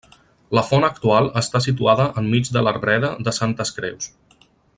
La font actual està situada enmig de l'arbreda de Santes Creus.